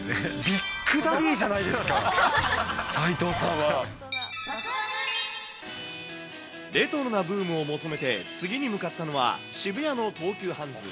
ビッグダディーじゃないですか、レトロなブームを求めて、次に向かったのは、渋谷の東急ハンズ。